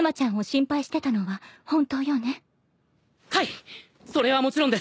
それはもちろんです！